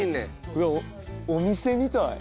うわっお店みたい。